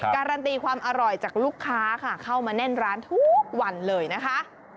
การันตีความอร่อยจากลูกค้าค่ะเข้ามาแน่นร้านทุกวันเลยนะคะ